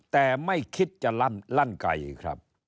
แต่ไม่คิดจะลั่นไก่ครับ